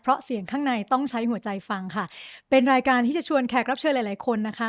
เพราะเสียงข้างในต้องใช้หัวใจฟังค่ะเป็นรายการที่จะชวนแขกรับเชิญหลายหลายคนนะคะ